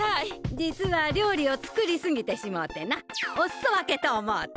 実はりょうりを作りすぎてしもうてなおすそ分けと思うて。